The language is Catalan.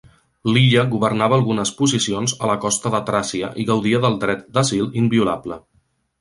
L'illa governava algunes posicions a la costa de Tràcia i gaudia del dret d'asil inviolable.